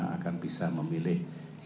akan bisa memilih